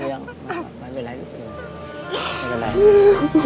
ฉันไม่ให้รีบไม่ได้แค่ไม่เป็นไรไม่แค่หลายไม่เป็นไร